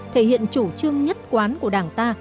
thể hiện chủ trương nhất quán của đảng ta